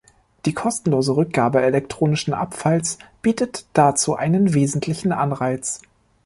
Die kostenlose Rückgabe elektronischen Abfalls bietet dazu einen wesentlichen Anreiz.